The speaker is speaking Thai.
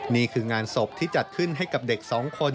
นี่คืองานศพที่จัดขึ้นให้กับเด็กสองคน